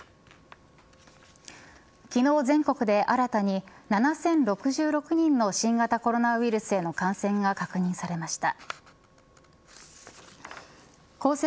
昨日全国で新たに７０６６人の新型コロナウイルスへの感染が確認されました。